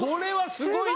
すごい。